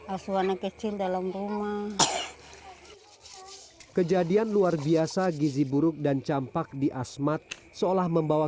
aswana kecil dalam rumah kejadian luar biasa gizi buruk dan campak di asmat seolah membawa